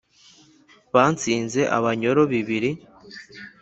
ba ntsinze-abanyoro bibiri